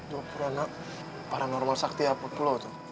dua pura anak paranormal sakti apa itu